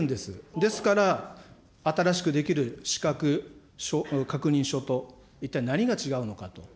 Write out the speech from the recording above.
ですから、新しく出来る資格確認書と一体何が違うのかと。